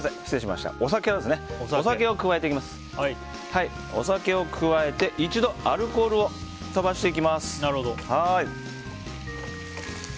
まず、お酒を加えて一度アルコールを飛ばしていきます。